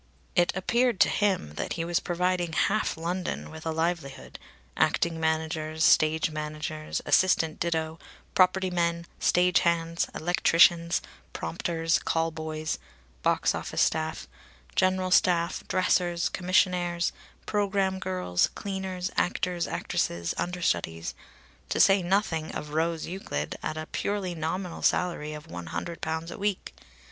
It appeared to him that he was providing half London with a livelihood: acting managers, stage managers, assistant ditto, property men, stage hands, electricians, prompters, call boys, box office staff, general staff, dressers, commissionaires, programme girls, cleaners, actors, actresses, understudies, to say nothing of Rose Euclid at a purely nominal salary of one hundred pounds a week.